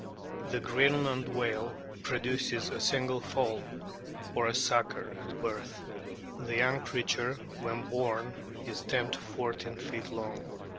The Greenland whale produces a single foal or "sucker" at a birth ; the young creature, when born, is 10 to 14 feet lono